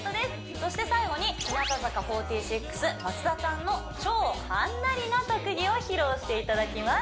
そして最後に日向坂４６松田ちゃんの超はんなりな特技を披露していただきます